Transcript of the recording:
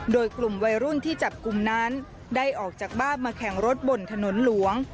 โดยกลุ่มวัยรุ่นที่จับกลุ่มนั้นได้ออกจากบ้านมาแข่งรถบนถนนหลวง